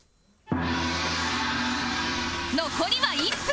残りは１分